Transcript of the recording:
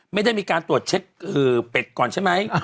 ไม่ได้มีการตรวจเช็คเป็ดก่อนใช่ไหม